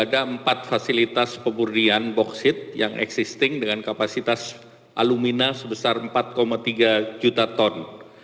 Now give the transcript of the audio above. ada empat fasilitas pemurnian boksit yang existing dengan kapasitas alumina sebesar empat tiga juta ton